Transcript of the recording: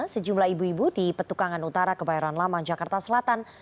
sejumlah ibu ibu di petukangan utara kebayoran lama jakarta selatan